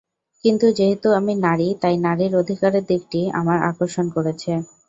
কিন্তু যেহেতু আমি নারী তাই নারীর অধিকারের দিকটি আমার আকর্ষণ করেছে।